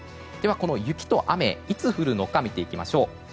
では、この雪と雨がいつ降るのか見ていきます。